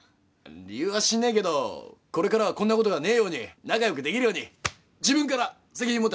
理由は知んねえけどこれからはこんなことがねえように仲良くできるように自分から責任持って話しますんで。